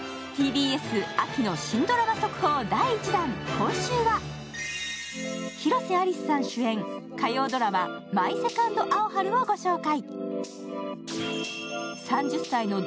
今週は広瀬アリスさん主演、火曜ドラマ「マイ・セカンド・アオハル」をご紹介。